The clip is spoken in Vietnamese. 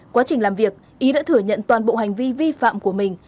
quá trình làm việc ý đã thừa nhận toàn bộ hành vi vi phạm của mình